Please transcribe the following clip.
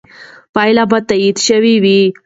پایلې به تایید شوې وي.